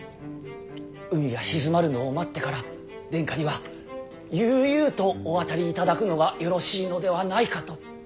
海が静まるのを待ってから殿下には悠々とお渡りいただくのがよろしいのではないかと。